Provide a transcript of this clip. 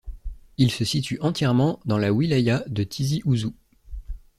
Il se situe entièrement dans la wilaya de Tizi Ouzou.